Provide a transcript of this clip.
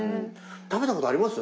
食べたことあります？